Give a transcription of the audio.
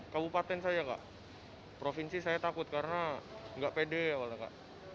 kabupaten saya kak provinsi saya takut karena nggak pede awalnya kak